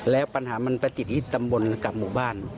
แล้วปัญหามันไปติดที่ตำบลกับหมู่บ้าน